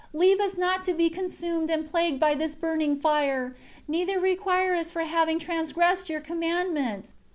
Leave us not to be consumed and plagued by this burning fire; neither require us for having transgressed Your commandment."